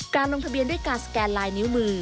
ลงทะเบียนด้วยการสแกนลายนิ้วมือ